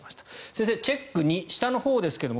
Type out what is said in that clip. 先生、チェック２下のほうですけれど